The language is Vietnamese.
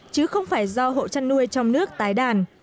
chứ không phải do hộ chăn nuôi trong nước tái đàn